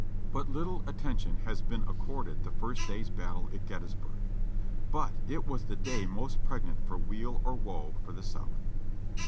But little attention has been accorded the first day's battle at Gettysburg : but it was the day most pregnant for weal or woe for the South.